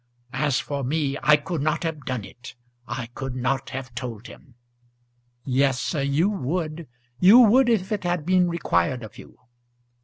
"As for me, I could not have done it. I could not have told him." "Yes, sir, you would; you would, if it had been required of you."